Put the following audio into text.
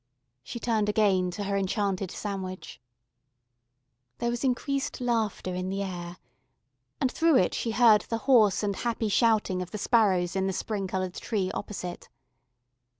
She turned again to her enchanted sandwich. There was increased laughter in the air, and through it she heard the hoarse and happy shouting of the sparrows in the spring coloured tree opposite.